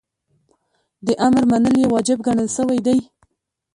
د امر منل یی واجب ګڼل سوی دی .